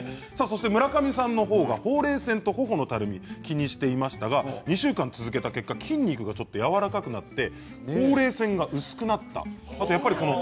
村上さんは、ほうれい線とほおのたるみを気にしていましたが２週間続けた結果筋肉が、やわらかくなってほうれい線が薄くなったそうです。